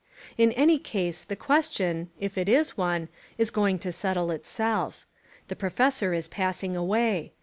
In any case the question, if it is one, is going to settle itself. The professor is passing away.